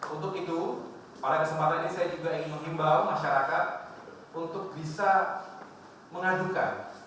untuk itu pada kesempatan ini saya juga ingin mengimbau masyarakat untuk bisa mengajukan